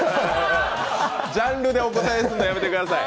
ジャンルでお答えするのやめてください。